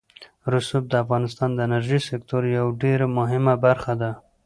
رسوب د افغانستان د انرژۍ سکتور یوه ډېره مهمه برخه ده.